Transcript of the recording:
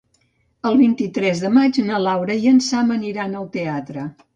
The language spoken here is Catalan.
El vint-i-tres de maig na Laura i en Sam aniran al teatre.